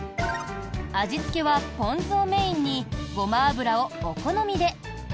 味付けはポン酢をメインにごま油をお好みで。